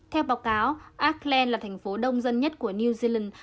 theo báo cáo acland là thành phố đông dân nhất của new zealand